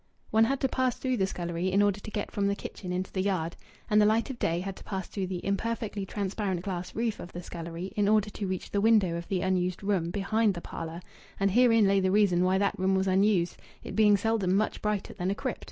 One had to pass through the scullery in order to get from the kitchen into the yard. And the light of day had to pass through the imperfectly transparent glass roof of the scullery in order to reach the window of the unused room behind the parlour; and herein lay the reason why that room was unused, it being seldom much brighter than a crypt.